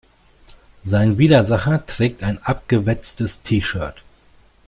Sein Widersacher trägt ein abgewetztes T-Shirt.